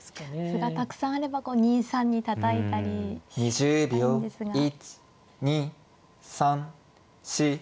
歩がたくさんあれば２三にたたいたりしたいんですが。